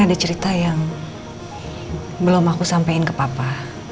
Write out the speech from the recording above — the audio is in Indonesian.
ada yang belum aku sampaikan ke papa